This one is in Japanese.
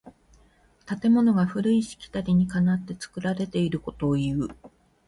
建物が古いしきたりにかなって作られていることをいう。